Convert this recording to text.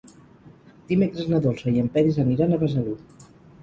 Dimecres na Dolça i en Peris aniran a Besalú.